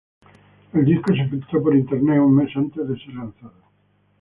El disco se filtró por internet un mes antes de ser lanzado.